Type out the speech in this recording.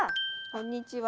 こんにちは。